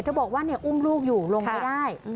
บอกว่าอุ้มลูกอยู่ลงไม่ได้